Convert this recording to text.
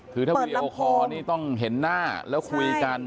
คือถ้าวีดีโอคอร์นี่ต้องเห็นหน้าแล้วคุยกัน